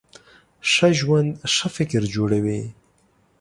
ښه ژوند ښه فکر جوړوي.